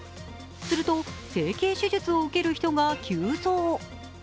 すると整形手術を受ける人が急増。